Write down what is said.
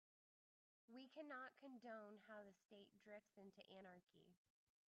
We cannot condone how the state drifts into anarchy.